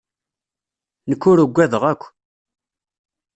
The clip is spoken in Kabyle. Nekk ur ugadeɣ akk.